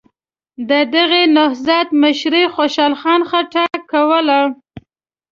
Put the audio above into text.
د دغه نهضت مشري خوشحال خان خټک کوله.